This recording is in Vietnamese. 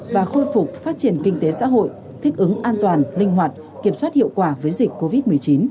và khôi phục phát triển kinh tế xã hội thích ứng an toàn linh hoạt kiểm soát hiệu quả với dịch covid một mươi chín